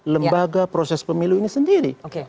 lembaga proses pemilu ini sendiri